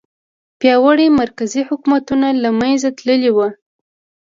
پیاوړي مرکزي حکومتونه له منځه تللي وو.